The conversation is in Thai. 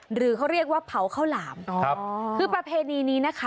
หรือเขาเรียกว่าเผาข้าวหลามคือประเพณีนี้นะคะ